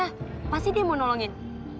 siapa sih dia mau nolongin